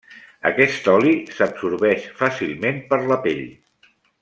Aquest oli s'absorbeix fàcilment per la pell.